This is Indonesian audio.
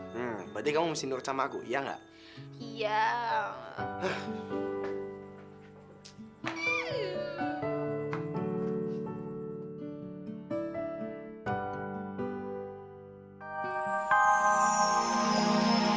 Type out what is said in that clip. hmm berarti kamu mesti nurut sama aku iya gak